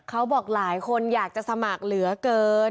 เขาบอกหลายคนอยากจะสมัครเหลือเกิน